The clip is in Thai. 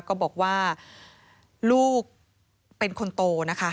ก็บอกว่าลูกเป็นคนโตนะคะ